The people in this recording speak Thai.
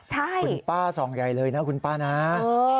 ใช่คุณป้าส่องใหญ่เลยนะคุณป้านะ